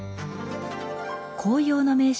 紅葉の名所